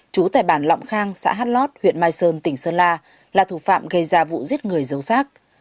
chú tại bản lọng khang xã hát lót huyện mai sơn tỉnh sơn la là thủ phạm gây ra vụ giết người giấu sát